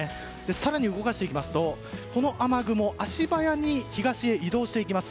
ちょっと動かしますとこの雨雲足早に東に移動していきます。